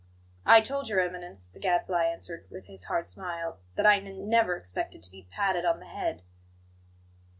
"I told Your Eminence," the Gadfly answered, with his hard smile, "that I n n never expected to be patted on the head."